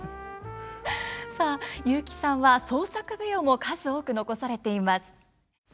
さあ雄輝さんは創作舞踊も数多く残されています。